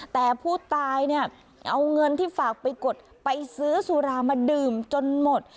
แต่ผู้ตายเนี่ยเอาเงินที่ฝากไปกดไปซื้อสุรามาดื่มจนหมด